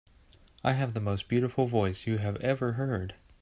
I have the most beautiful voice you have ever heard.